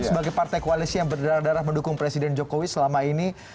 sebagai partai koalisi yang berdarah darah mendukung presiden jokowi selama ini